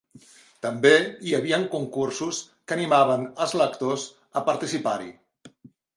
També hi havien concursos que animaven als lectors a participar-hi.